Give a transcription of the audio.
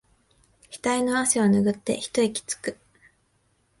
ひたいの汗をぬぐって一息つく